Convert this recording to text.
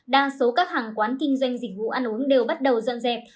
đa số các hàng quán kinh doanh dịch vụ ăn uống đều bắt đầu dọn dẹp